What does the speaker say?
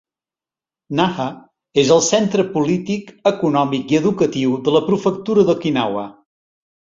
Naha és el centre polític, econòmic i educatiu de la prefectura d'Okinawa.